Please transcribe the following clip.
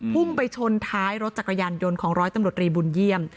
พุ่งไปชนท้ายรถจักรยานยนต์ของร้อยตำรวจรีบุญเยี่ยม